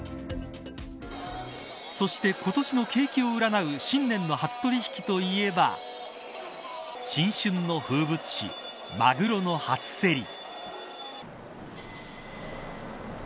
そして、今年の景気を占う新年の初取引といえば新春の風物詩マグロの初競り。